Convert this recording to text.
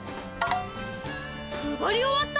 配り終わった！